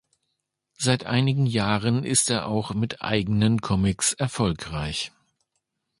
Seit einigen Jahren ist er auch mit eigenen Comics erfolgreich.